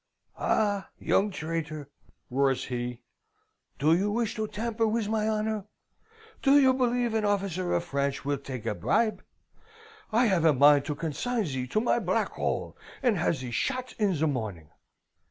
"'Ah, young traitor!' roars he, 'do you wish to tamper with my honour? Do you believe an officer of France will take a bribe? I have a mind to consign thee to my black hole, and to have thee shot in the morning.'